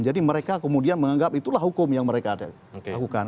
jadi mereka kemudian menganggap itulah hukum yang mereka lakukan